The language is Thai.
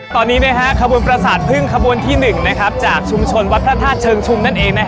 ตอนนี้ขบวนประสาทพึ่งขบวนที่๑จากชุมชนวัดพระธาตุเชิงชุมนั่นเอง